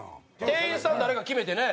店員さん誰か決めてね。